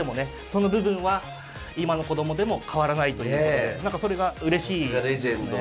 その部分は今の子供でも変わらないということで何かそれがうれしいですね。